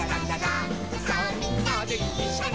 みんなでいっしょに」